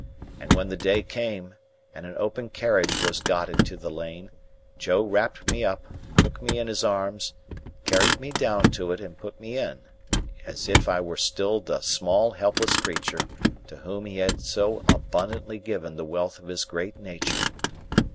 And when the day came, and an open carriage was got into the Lane, Joe wrapped me up, took me in his arms, carried me down to it, and put me in, as if I were still the small helpless creature to whom he had so abundantly given of the wealth of his great nature.